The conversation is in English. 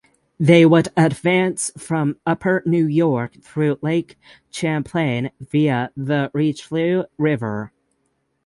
They would advance from upper New York through Lake Champlain via the Richelieu River.